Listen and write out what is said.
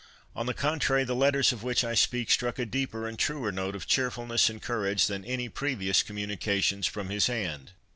On the contrary, the letters of which I speak struck a deeper and truer note of cheerfulness and courage than any previous communications from his hand.